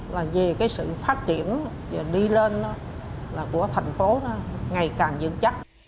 là về sự phát triển và đi lên của thành phố ngày càng dựng chắc